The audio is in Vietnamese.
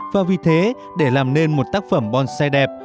và vì thế để làm nên một tác phẩm bonsai đẹp